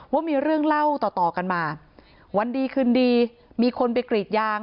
ว่ามีเรื่องเล่าต่อต่อกันมาวันดีคืนดีมีคนไปกรีดยาง